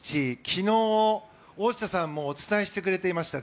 昨日、大下さんもお伝えしてくれていました。